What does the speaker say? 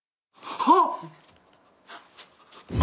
はっ！